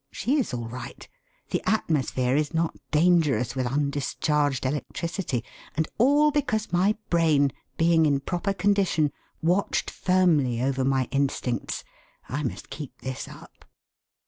She is all right. The atmosphere is not dangerous with undischarged electricity! And all because my brain, being in proper condition, watched firmly over my instincts! I must keep this up.'